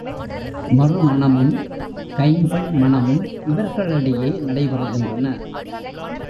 மறுமணமும், கைம்பெண் மணமும் இவர்களிடையே நடைபெறுகின்றன.